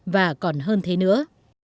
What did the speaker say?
và còn hơn thế nữa